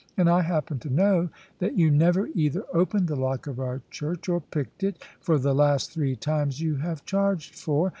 And I happen to know that you never either opened the lock of our church or picked it, for the last three times you have charged for.